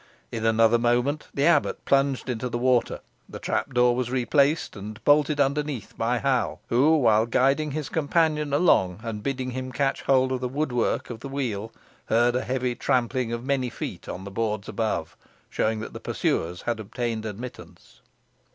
In another moment the abbot plunged into the water, the trapdoor was replaced, and bolted underneath by Hal, who, while guiding his companion along, and bidding him catch hold of the wood work of the wheel, heard a heavy trampling of many feet on the boards above, showing that the pursuers had obtained admittance.